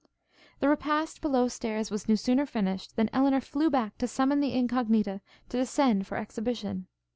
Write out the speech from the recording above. The repast below stairs was no sooner finished, than Elinor flew back to summon the Incognita to descend for exhibition.